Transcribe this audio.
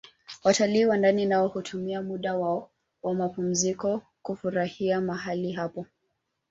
Watalii wa ndani nao hutumia muda wao wa mapumziko kufurahia mahali hapo